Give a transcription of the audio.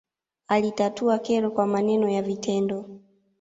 alitatua kero kwa maneno na vitendo